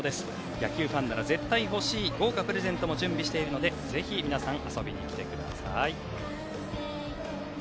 野球ファンなら絶対欲しい豪華プレゼントも準備しているのでぜひ皆さん遊びに来てください。